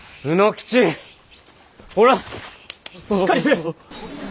ほらしっかりせよ！